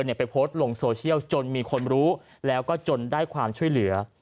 ไปโพสต์ลงโซเชียลจนมีคนรู้แล้วก็จนได้ความช่วยเหลือ